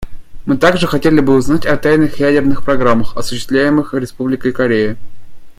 Мы также хотели бы узнать о тайных ядерных программах, осуществляемых Республикой Корея.